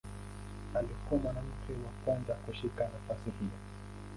Alikuwa mwanamke wa kwanza kushika nafasi hiyo.